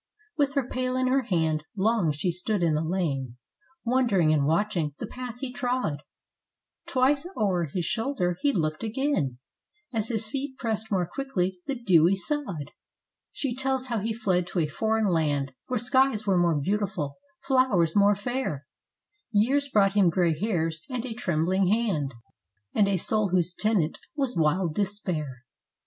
With her pail in her hand, long she stood in the lane, Wondering, and watching the path he trod ; Twice o'er his shoulder he looked again, As his feet pressed more quickly the dewy sod. She tells how he fled to a foreign land, Where skies were more beautiful, flowers more fair; Years brought him grey hairs, and a trembling hand, And a soul, whose tenant was wild despair.